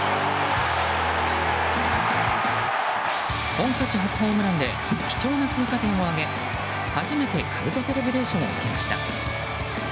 本拠地初ホームランで貴重な追加点を挙げ初めてかぶとセレブレーションを受けました。